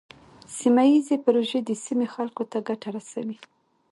سیمه ایزې پروژې د سیمې خلکو ته ګټه رسوي.